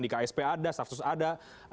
di ksp ada status ada